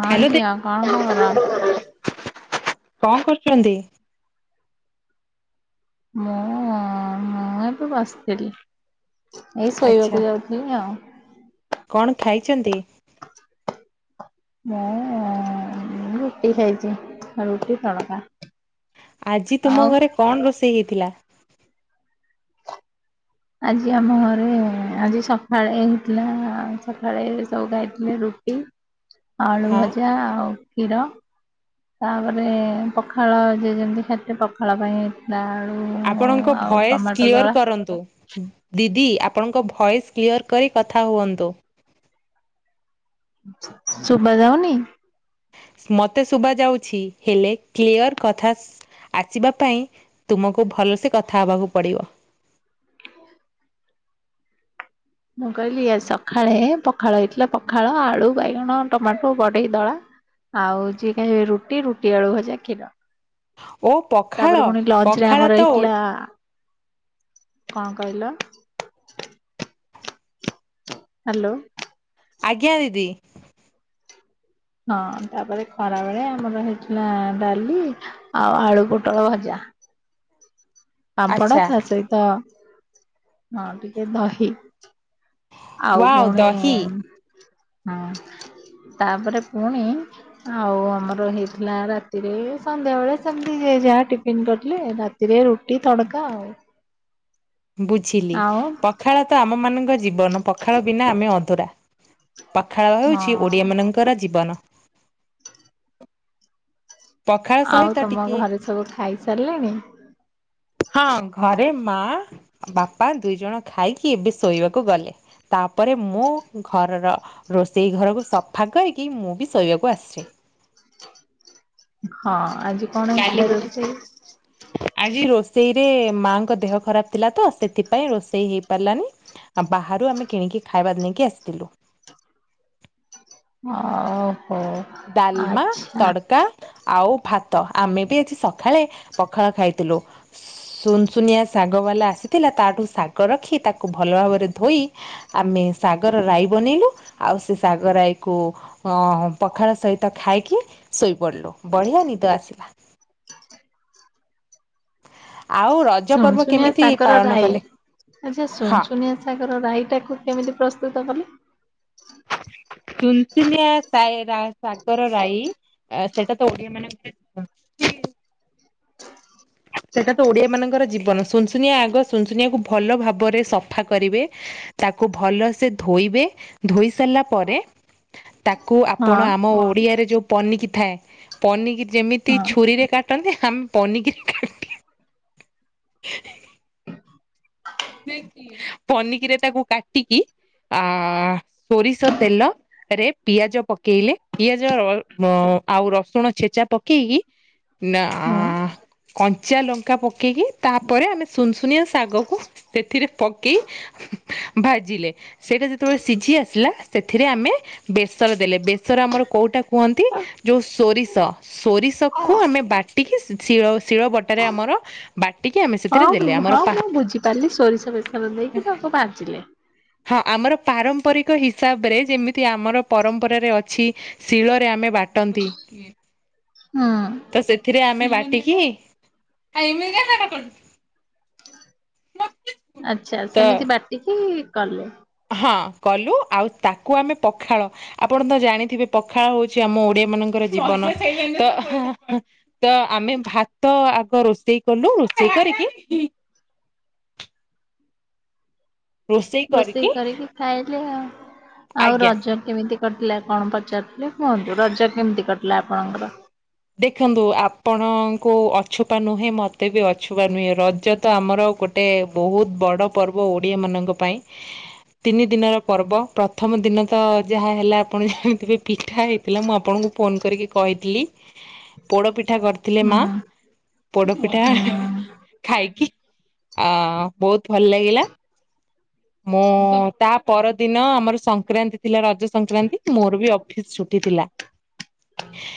ହଁ ହ୍ୟାଲୋ ଦେଇ ଝିଅ କଣ ଖବର? କଣ କରୁଚନ୍ତି? ମୁଁ ଉମ୍ ମୁଁ ଏବେ ବସିଥିଲି। ଏଇ ଆଚ୍ଛା ଶୋଇବାକୁ ଯାଉଥିଲି ଆଉ। ଖାଇଚନ୍ତି? ମୁଁ ଉଁ ରୁଟି ଖାଇଚି, ରୁଟି ତଡକା। ଆଜି ତୁମ ଆଉ ଘରେ କଣ ରୋଷେଇ ହେଇ ଥିଲା। ଆଜି ଆମ ଘରେ, ଆଜି ସକାଳେ ହେଇଥିଲା ସକାଳେ ସବୁ ଖାଇଥିଲେ ରୁଟି ଆଳୁ ହଁ ଭଜା ଆଉ କ୍ଷୀର। ତାପରେ ପଖାଳ ଯେ ଯେମିତି ଖାଇଥିଲେ ପଖାଳ ପାଇଁ ହେଇଥିଲା। ଆପଣଙ୍କ ଆଉ ଭଏସ ଟମାଟୋ କ୍ଲିୟର ଦଳା। କରନ୍ତୁ। ଦିଦି ଆପ ଆପଣଙ୍କ ଭଏସ୍ କ୍ଲିଅର୍ କରି କଥା ହୁଅନ୍ତୁ। [inaudible] ଶୁଭା ଜାଉନି? ମତେ ଶୁଭା ଯାଉଛି, ହେଲେ କ୍ଲିୟର କଥା ଶ ଆସିବା ପାଇଁ ତୁମକୁ ଭଲସେ କଥା ହେବାକୁ ପଡିବ। ମୁଁ କହିଲି ସକାଳେ ପଖାଳ ହେଇଥିଲା ପଖାଳ, ଆଳୁ, ବାଇଗଣ, ଟମାଟୋ ଗଡେଇ ଦଳା ଆଉ ଯିଏ ଖାଇ ରୁଟି, ରୁଟି, ଆଳୁ ଭଜା, କ୍ଷୀର। ଓ ତାପରେ ପଖାଳ ପୁଣି ଲଞ୍ଚ ରେ ପଖାଳ ଆମର ତ ଓ ହେଇଥିଲା କଣ କହିଲ? ହାଲୋ। ଆଜ୍ଞା ଦିଦି। ହଁ ତାପରେ ଖରା ବେଳେ ଆମର ହେଇଥିଲା ଡାଲି ଆଉ ଆଳୁ ପୋଟଳ ଭଜା। ପାମ୍ପଡ଼ ଆଚ୍ଛା ତା ସହିତ ହ ଟିକେ ଦହି ଆଉ ୱାଓ ପୁଣି ଦହି ଉଁ ହଁ ତାପରେ ପୁଣି ଆଉ ଆମର ହେଇଥିଲା ରାତିରେ ସନ୍ଧ୍ୟା ବେଳେ ସେମିତି ଯିଏ ଯାହା ଟିଫନ୍ କରିଥିଲେ ରାତିରେ ରୁଟି ତଡକା ଆଉ। ବୁଝିଲି ଆଉ ପଖାଳ ତ ଆମ ମାନଙ୍କୁ ଜୀବନ ପଖାଳ ବିନା ଆମେ ଅଧୁରା। ପଖାଳ ହଉଚି ହଁ ଓଡ଼ିଆମାନଙ୍କର ଜୀବନ। ପଖାଳ ଆଉ ସହିତ ତମ ଟିକେ ଘରେ ସବୁ ଖାଇସାରିଲେଣି? ହଁ ଘରେ ମା ବାପା ଦୁଇ ଜଣ ଖାଇକି ଏବେ ଶୋଇବାକୁ ଗଲେ। ତାପରେ ମୁଁ ଘରର ରୋଷେଇ ଘରକୁ ସଫା କରିକି ମୁଁ ବି ଶୋଇବାକୁ ଆସଚି। ହଁ ଆଜି କଣ ହେଇଥିଲା ରୋଷେଇ? ଆଜି ରୋଷେଇରେ ମାଙ୍କ ଦେହ ଖରାପ ଥିଲା ତ ସେଥିପାଇଁ ରୋଷେଇ ହେଇପାରିଲାନି ଆ ବାହାରୁ ଆମେ କିଣିକି ଖାଇବା ନେଇକି ଆସିଥିଲୁ। ଅଉ। ଡାଲମା, ତଡକା ଆଉ ଭାତ ଆମେ ବି ଆଜି ସକାଳେ ପଖାଳ ଖାଇଥିଲୁ ସୁ ସୁନସୁନିଆ ଶାଗବାଲା ଆସିଥିଲା ତାଠୁ ଶାଗ ରଖି ତାକୁ ଭଲ ଭାବରେ ଧୋଇ ଆମେ ଶାଗର ରାଇ ବନେଇଲୁ ଆଉ ସେ ଶାଗ ରାଇକୁ ଅ ପଖାଳ ସହିତ ଖାଇକି ଶୋଇପଡିଲୁ ବଢିଆ ନିଦ ଆସିଲା। ଆଉ ରଜ ଶୁନ ପର୍ବ ଶୁନିଆ କେମିତି ସାଗର ପାଳନ ରାଇ କଲେ? ଆଚ୍ଛା ହଁ ଶୁଣ ଶୁନିଆ ସାଗର ରାଇ ଟାକୁ କେମିତି ପ୍ରସ୍ତୁ ସ୍ତୁତ କଲେ। ଶୁନଶୁନିଆ ଶାଏ ରାଗ ଶାଗର ରାଇ। ଆ ସେଇଟା ତ ଓଡିଆ ମାନେ [unintelligible] ସେଟା ତ ଓଡିଆ ମାନଙ୍କର ଜୀବନ ସୁନସୁନିଆ ଆଗ ସୁନସୁନିଆକୁ ଭଲ ଭାବରେ ସଫା କରିବେ ତାକୁ ଭଲସେ ଧୋଇବେ ଧୋଇ ସାରିଲା ପରେ ତାକୁ ଆପଣ ହଁ ଆମ ଓଡ଼ିଆରେ ଯୋଉ ପନିକି ଥାଏ ପନିକି ଯେମିତି ହଁ ଛୁରୀରେ କା [unintelligible] ହାମ୍ ପନିକିରେ [inaudible] [unintelligible] ପନିକିରେ ତାକୁ କାଟିକି ଆ ସୋରିଷ ତେଲ ରେ ପିଆଜ ପକେଇଲେ ପିଆଜ ଅ ଆଉ ରସୁଣ ଛେଚା ପକେଇକି ନା ଆ ହଁ କଞ୍ଚା ଲଙ୍କା ପକେଇକି ତାପରେ ଆମେ ସୁନସୁନିଆ ଶାଗକୁ ସେଥିରେ ପକେଇ ଭାଜିଲେ ସେଇଟା ଯେତେବେଳେ ସିଝି ଆସିଲା ସେଥିରେ ଆମେ ବେସର ଦେଲେ ବେସର ଆମର କୋଉଟା କୁହନ୍ତି ଯୋଉ ସୋରିଷ ସୋରିଷକୁ ଆମେ ବାଟିକି ଶ ଶିଳ ଶିଳ ବଟାରେ ଆମର ବାଟି ହଁ ହଁ ମୁଁ ବୁଝିପାରିଲି। ସୋରିଷ ବେସର ଦେଇେଇକି ତାଙ୍କୁ ବାଜିଲେ। ହଁ ଆମର ପାରମ୍ପରିକ ହିସାବରେ ଯେମିତି ଆମର ପରମ୍ପରାରେ ଅଛି ଶିଳରେ ଆମେ ବାଟନ୍ତି ହୁଁ ତ ସେଥିରେ ଆମେ ବାଟିକି ନା ଆଛା ସେମିତି ବାଟିକି କଲେ। ହଁ କଲୁ ଆଉ ତାକୁ ଆମେ ପଖାଳ ଆପଣ ତ ଜାଣିଥିବେ ପଖାଳ ହଉଛି ଆମ ଓଡିଆ ମାନଙ୍କର ଜୀବନ ତ ତ ଆମେ ଭାତ ଆଗ ରୋଷେଇ କଲୁ ରୋଷେଇ କରିକି ରୋଷେଇ କରିକି ଖାଇଲେ ଆଉ ଆଉ ଆଜ୍ଞା ରଜ କେମିତି କଟିଲା କଣ ପଚାରୁ କୁହନ୍ତୁ ରଜ କେମିତି କ ଲା ପଣଙ୍କର। ଦେଖନ୍ତୁ ଆପଣଙ୍କୁ ଅଛପା ନୁହେଁ ମତେ ବି ଅଛପା ନୁହେଁ, ରଜ ତ ଆମର ଗୋଟେ ବହୁତ ବଡ଼ ପର୍ବ ଓଡ଼ିଆ ମାନଙ୍କ ପାଇଁ। ତିନି ଦିନର ପର୍ବ, ପ୍ରଥମ ଦିନ ତ ଯାହା ହେଲା ଆପଣ ଜାଣିଥିବେ ପିଠା ହେଇଥିଲା ମୁଁ ଆପଣଙ୍କୁ ଫୋନ୍ କରିକି କହିଥିଲି ପୋଡ଼ପି ଠା କରିଥିଲେ ମା ହୁଁ ପୋଡପିଠା ହଁ ଖାଇକି ଅ ବହୁତ ଭଲ ଲାଗିଲା। ମୁଁ ତା ପରଦିନ ଆମର ସଂକ୍ରାନ୍ତି ଥିଲା, ରଜ ସଂକ୍ରାନ୍ତି ମୋର ବି ଅଫିସ୍ ଛୁଟି ଥିଲା।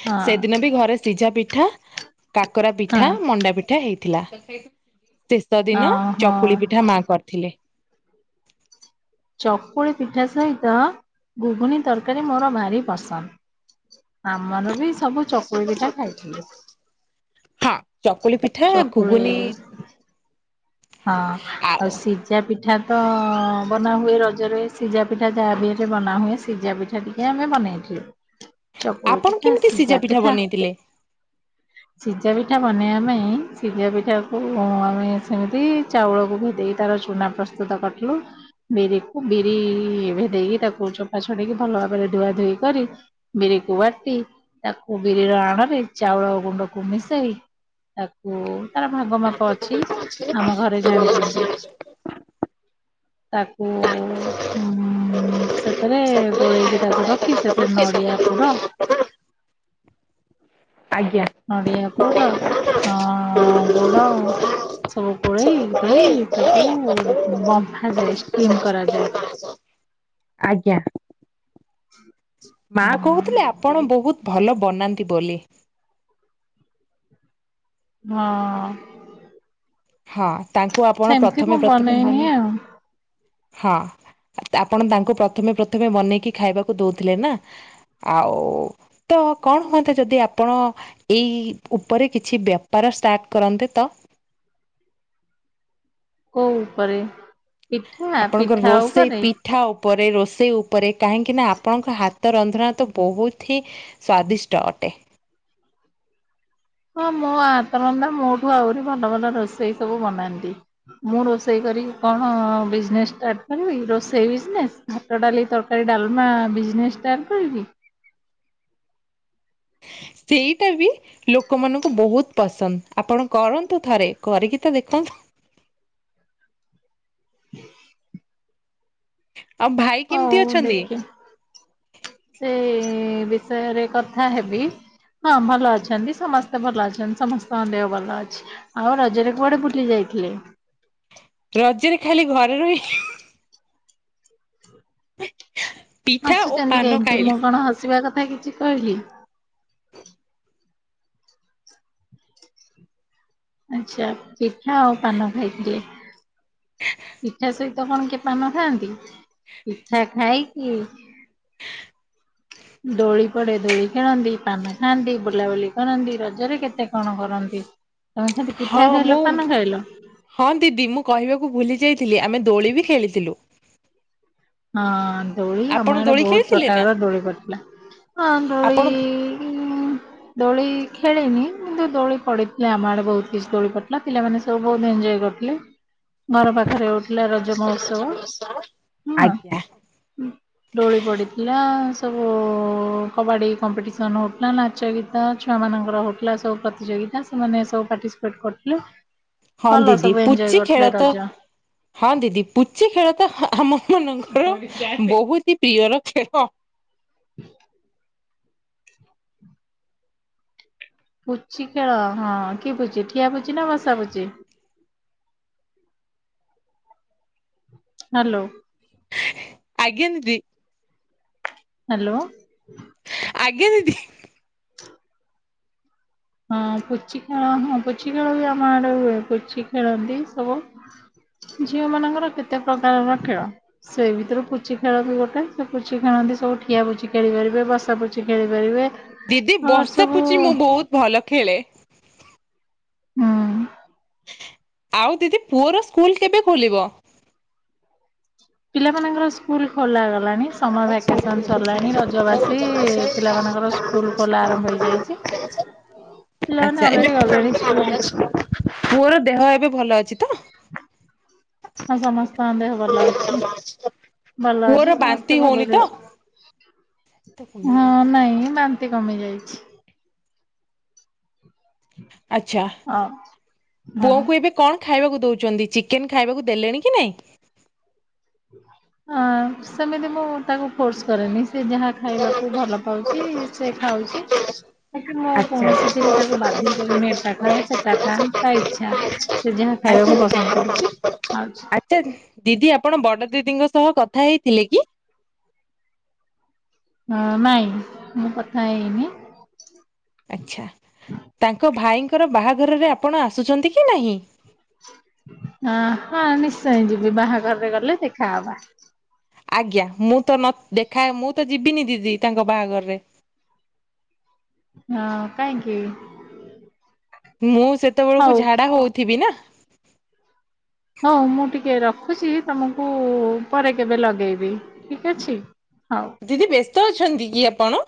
ହଁ ସେଦିନ ବି ଘରେ ସିଝା ପିଠା କାକରା ପିଠା ହଁ ମଣ୍ଡା ପିଠା ହେଇଥିଲା। [unintelligible] ଶେଷ ଦିନ ଓହୋ ଚକୁଳି ପିଠା ମା କରିଥିଲେ। ଚକୁଳି ପିଠା ସହିତ ଘୁଘୁନୀ ତରକାରୀ ମୋର ଭାରି ପସନ୍ଦ। ଆମର ବି ସବୁ ଚକୁଳି ପିଟା ଖାଇଥିଲି। ହଁ ଚକୁଳି ପିଠା ଚକୁଳି ଘୁଗୁନି ହଁ ଆଉ ସିଝା ପିଠା ତଅଅ ବନାହୁୁଏ ରଜରେ ସିଝା ପିଠା। ଯାହା ବିରେ ବନାହୁଏ ସିଝା ପିଠା ଟିକେ ଆମେ ବନେଇଥିଲୁ। ଚକୁଳି ଆପଣ ପିଠା କେମିତି ସିଝା ପିଠା ବନେଇଥିଲେ? ସିଝା ପିଠା ବନେଇ ଆମେ ଉଁ ସିଝା ପିଠାକୁ ଆମେ ସେମିତି ବି ଚାଉଳକୁ ଭେଦେଇ ତାର ଚୁନା ପ୍ରସ୍ତୁତ କରିଥିଲୁ। ବିରିକୁ ବିରି ଭେଦେଇକି ତାକୁ ଚୋପା ଛଡେଇକି ଭଲ ଭାବରେ ଧୁଆ ଧୋଇ କରି, ବିରିକୁ ବାଟି, ତାକୁ ବିରିର ଆଣ ରେ ଚାଉଳ ଗୁଣ୍ଡକୁ ମିଶାଇ, ତାକୁ ତାର ଭାଗ ମାପ ଅଛି ଆମ ଘରେ ଜାଣି [unintelligible] ତାକୁ ଉଁ ସେଥିରେ ଗୋଳେଇକି ତାକୁ ରଖି ସେଥିରେ ନଡିଆ ପୁର ଆଜ୍ଞା। ନଡିଆ ପୁର ଅଁ ଗୋଡ ସବୁ ଗୋଳେଇ, ଦେଇ ତାକୁ ବମ୍ଫାଯାଏ ଷ୍ଟିମ୍ କରାଯାଏ। ଆଜ୍ଞା। [inaudible] ମା କହୁଥିଲେ ଆପଣ ବହୁତ୍ ଭଲ ବନାନ୍ତି ବୋଲି। ହଁ ହଁ ତାଙ୍କୁ ଆପଣ ସେମିତି ମୁଁ ପ୍ରଥମେ ପ୍ରଥମେ ବନେଇନି ମନେ ଆଉ ହଁ, ଆପଣ ତାଙ୍କୁ ପ୍ରଥମେ ପ୍ରଥମେ ମନେଇକି ଖାଇବାକୁ ଦ‌ଉଥି‌ଲେ ନା? ଆଉ ତ କଣ ହୁଅନ୍ତା ଯଦି ଆପଣ ଏଇ ଉପରେ କିଛି ବ୍ୟାପାର ଷ୍ଟାର୍ଟ କରନ୍ତେ ତ? କୋଉ ପରେ ପିଠା ପିଠାଉ କରେ ପରେ ରୋଷେଇ ଉପରେ କାହିଁକି ନା ଆପଣଙ୍କ ହାତ ରନ୍ଧଣା ତ ବହୁତ ହିଁ ସ୍ଵାଦିଷ୍ଟ ଅଟେ। ହଁ ମୋ ହାତ ରନ୍ଧା ମୋଠୁ ଆହୁରି ଭଲ ଭଲ ରୋଷେଇ ସବୁ ବନାନ୍ତି। ମୁଁ ରୋଷେଇ କରି କଣ ବିଜନେସ ଷ୍ଟାର୍ଟ କରିବି? ରୋଷେଇ ବିଜନେସ? ଭାତ, ଡାଲି, ତରକାରୀ, ଡାଲମା ବିଜନେସ ଷ୍ଟାର୍ଟ କରିବି? ସେଇଟା ବି ଲୋକମାନଙ୍କୁ ବହୁତ ପସନ୍ଦ। ଆପଣ କରନ୍ତୁ ଥରେ, କରିକି ତ ଦେଖନ୍ତୁ। [inaudible] ଆଉ ଭାଇ କେମିତି ହଉ ଅଛନ୍ତି? ଦେଖିଆ ସେ ବିଷୟରେ କଥା ହେବି। ହଁ, ଭଲ, ଅଛନ୍ତି ସମସ୍ତେ ଭଲ ଅଛନ୍ତି, ସମସ୍ତଙ୍କ ଦେହ ଭଲ ଅଛି। ଆଉ ରଜରେ କୁଆଡେ ବୁଲି ଯାଇଥିଲେ? ରଜରେ ଖାଲି ଘରେ ରହି [unintelligible] ହେ ଆସୁଛନ୍ତି କାହିଁକି? ମୁଁ କଣ ହସିବା କ କଟ କିଛି କହିଲି ଆଚ୍ଛା ପିଠା ଆଉ ପାନ ଖାଇଥିଲ ପିଠା ସହିତ କଣ କିଏ ପାନ ଖାଆନ୍ତି ପିଠା ଖାଇ ହଁ କୁଡେ ଧୋଳି ଖେଳନ୍ତି ପାନ ଖାଆନ୍ତି ବୁଲାବୁଲି କରନ୍ତି ରଜରେ କେତେ କଣ କରନ୍ତି ତମେ ଖାଲି ପିଠା ହଁ ଖାଇଲ ମୁଁ ପାନ ଖାଇଲ? ହଁ ଦିଦି ମୁଁ କହିବାକୁ ଭୁଲି ଯାଇଥିଲି ଆମେ ଦୋଳି ବି ଖେଳିଥିଲୁ ହଁ ଦୋଳି ଆମ ଆପଣ ଆଡେ ଦୋଳି ବହୁତ ଖେଳିଥିଲେ ନା? ପ୍ରକାରର ଦୋଳି ପଦିଥିଲା ଆପଣ ଦୋଳି ଦୋଳି ଖେଳିନି କିନ୍ତୁ ଦୋଳି ପଡିଥିଲେ ଆମ ଆଡେ ବହୁତ କିଛି ଦୋଳି ପଡିଥିଲାା ପିଲାମାନେ ସବୁ ବହୁତ ଏନ୍ଜୟ କରିଥିଲେ ଘର ପାଖରେ ଥିଲା ରଜ ମହୋତ୍ସବ। ଆଜ୍ଞା ହଁ ଡୋଳି ପଡିଥିଲା। ସବୁ କବାଡ଼ି କମ୍ପିଟିସନ ହଉଥିଲା ନାଚ ଗୀତ ଛୁଆ ମାନଙ୍କର ହଉଥିଲା ସବୁ ପ୍ରତିଯୋଗିତା ସେମାନେ ସବୁ ପାର୍ଟିସିପେଟ କରୁଥିଲେୁ। ହଁ ଦିଦି ପୁଚି ଖେଳ ତ ହଁ ଦିଦି ପୁଚି ଖେଳ ତ ଆମ ମ ର [inaudible] ବହୁତ ହି ପ୍ରିୟର ଖେଳ ହ [inaudible] ବୁଛି ଖେଳ ହଁ କି ବୁଝଛି। ଖଠିଆ ପୁଛି ନା ବସା ପୁଛି? ହ [inaudible] ହ୍ୟାଲୋ। ଆଜ୍ଞା ଦିଦି। ହ୍ୟାଲୋ। ଆଜ୍ଞ ଦିଦି। ହଁ ପୁଚି ଖେଳ ହଁ ପୁଚି ଖେଳ ବି ଆମ ଆଡେ ହୁଏ ପୁଚି ଖେଳନ୍ତି ସବୁ ଝିଅ ମାନଙ୍କର କେତେ ପ୍ରକାରର ଖେଳ ସେଇ ଭିତରୁ ପୁଚି ଖେଳ ବି ଗୋଟେ ସେ ପୁଚି ଖେଳନ୍ତି ସବୁ ଠିଆ ପୁଚି ଖେଳି ପାରିବେ ବସା ପୁଚି ଖେଳି ପାରିବେ। ଦିଦି ଆର ବସା ସବୁ ପୁଚି ମୁଁ ବହୁତ ଭଲ ଖେଳେ। ହଁ। ଆଉ ଦିଦି ପୁଅର ସ୍କୁଲ କେବେ ଖୋଲିବ। ପିଲା ମାନଙ୍କର ସ୍କୁଲ ଖୋଲା ଗଲା ସମର ଭେକେସନ ସରିଲାଣି ରଜ ବାସି ପିଲାମାନଙ୍କର ସ୍କୁଲ ଖୋଲା ଆରମ୍ଭ ହୋଇ ଯାଇଛି ପିଲାମାନେ ଆଚ୍ଛା ଏବେ ଅଲରେଡି ଗଲେଣି ସ୍କୁଲ ପୁଅର ଦେହ ଏବେ ଭଲ ଅଛି ତ [inaudible] ହଁ ସମସ୍ତ ଦେହ ଭଲ ଅଛି। ଭଲ ପୁଅର ଅଛି ବାନ୍ତି ସମସ୍ତେ ହଉନି ତ? ଭଲରେ ଅ ହଁ ନାଇଁ। କେତେ କମି ଯାଇଛି। ଆଛା ହଁ। ପୁଅ ହଁ। କ ଏବେ କଣ ଖ ଖାଇବାକୁ ଦଉଛନ୍ତି ଚିକେନ ଖାଇବାକୁ ଦେଲେଣି କି ନାଇଁ। ହ ସେମିତି ମୁଁ ତାକୁ ଫୋର୍ସ କରେନି। ସେ ଯାହା ଖାଇବାକୁ ଭଲ ପାଉଛି ସେ ଖାଉଛି ବାକି ମୁଁ ଆଚ୍ଛା କୌଣସି ରେ ତାକୁ ବାଧ୍ୟ କରୁନି ଏଟା ଖା ସେଟା ଖା ତା ଇଚ୍ଛା ସେ ଯାହା ଆଚ୍ଛା ଖାଇବାକୁ ପସନ୍ଦ କରୁଛି ଖାଉଛି। ଆଚ୍ଛା ଦିଦି ଆପଣ ବଡ ଦିଦିଙ୍କ ସହ କଥା ହେଇଥିଲେ କି? ହଁ ନାଇଁ ମୁଁ କଥା ହେଇନି। ଙ୍କର ବାହାଘରରେ ଆପଣ ଆସୁଛନ୍ତି କି ନାହିଁ। ହଁ ହଁ ନିଶ୍ଚୟ ଯିବି ବାହାଘରରେ ଗଲେ ଦେଖାହବା। ଆଜ୍ଞା ମୁଁ ତ ନ ଦେଖାଏ ମୁଁ ତ ଯିବିନି ଦିଦି ତାଙ୍କ ବାହାଘରରେ। ହଁ କାହିଁକି? ମୁଁ। ସେତେବେଳକୁ ହଉ। ଝାଡ଼ା ହେଉଥିବି ନା। ହଉ ମୁଁ ଟିକେ ରଖୁଛି ତମକୁ ପରେ କେବେ ଲଗେଇବି ଠିକ ଅଛି। ହଉ। ଦିଦି ବେଶ। ଅଛନ୍ତି କି ଆପଣ।